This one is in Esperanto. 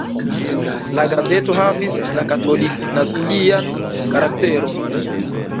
La gazeto havis la katolik-nacian karakteron.